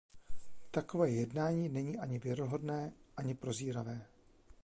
Takové jednání není ani věrohodné, ani prozíravé.